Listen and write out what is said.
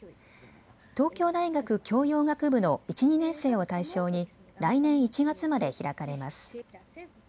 東京大学教養学部の１、２年生を対象に来年１月まで開かれます。